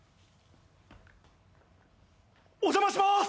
お邪魔します。